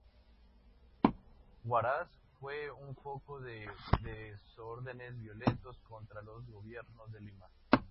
Huaraz fue un foco de desórdenes violentos contra los gobiernos de Lima.